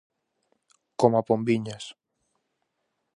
Coma pombiñas!